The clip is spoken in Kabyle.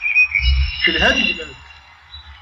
Telha tegmat.